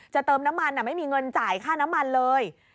เติมน้ำมันไม่มีเงินจ่ายค่าน้ำมันเลย